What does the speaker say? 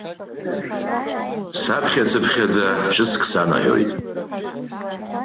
Саԥхьацыԥхьаӡа ҿыцк санаҳәоит!